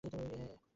ওহ, yeah!